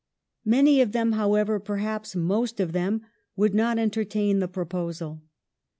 Many of them, however, perhaps most of them, would not entertain the proposal.